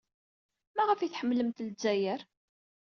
Maɣef ay tḥemmlemt Lezzayer?